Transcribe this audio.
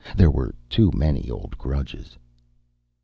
There were too many old grudges.